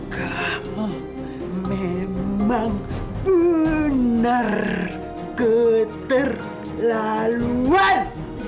kamu memang benar keterlaluan